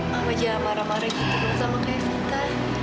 mama jangan marah marah gitu sama kak epita